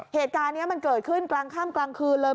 เหตุการณ์นี้มันเกิดขึ้นกลางค่ำกลางคืนเลย